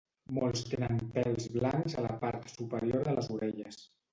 Molts tenen pèls blancs a la part superior de les orelles.